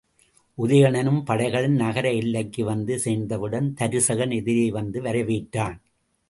உதயணனும் படைகளும் நகர எல்லைக்கு வந்து சேர்ந்தவுடன் தருசகன் எதிரே வந்து வரவேற்றான்.